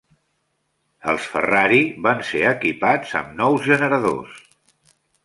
Els Ferrari van ser equipats amb nous generadors.